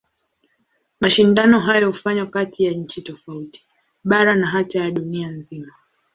Mashindano hayo hufanywa kati ya nchi tofauti, bara na hata ya dunia nzima.